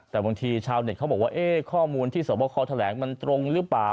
แต่บางทีชาวเน็ตเขาบอกว่าข้อมูลที่สวบคอแถลงมันตรงหรือเปล่า